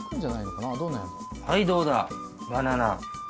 はいどうだバナナ。